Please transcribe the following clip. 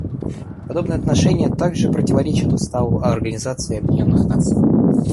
Подобное отношение также противоречит Уставу Организации Объединенных Наций.